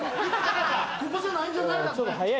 ここじゃないんじゃない？